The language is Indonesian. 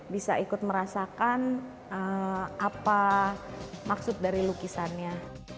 bisa ikut merasakan apa maksud dari lukisannya